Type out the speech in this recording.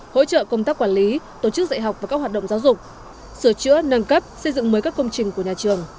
hỗ trợ công tác quản lý tổ chức dạy học và các hoạt động giáo dục sửa chữa nâng cấp xây dựng mới các công trình của nhà trường